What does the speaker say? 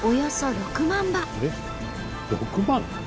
６万？